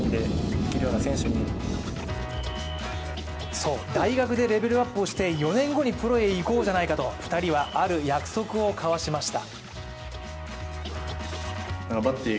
そう、大学でレベルアップをして４年後にプロへいこうじゃないかと２人はある約束を交わしました。